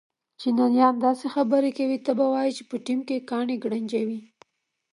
چینایان داسې خبرې کوي ته به وایې چې په ټېم کې کاڼي گړنجوې.